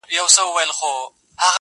را روان په شپه كــــي ســـېــــــل دى.